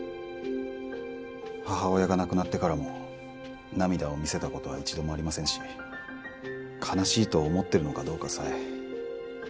母親が亡くなってからも涙を見せた事は一度もありませんし悲しいと思っているのかどうかさえ。